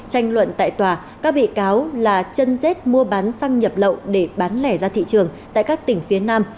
tranh luận tại tòa các bị cáo là chân rết mua bán xăng nhập lậu để bán lẻ ra thị trường tại các tỉnh phía nam